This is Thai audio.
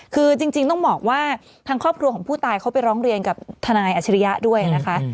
คือจริงต้องบอกว่าทางครอบครัวของผู้ตายเขาไปร้องเรียนกับทนายอัชริยะด้วยนะคะ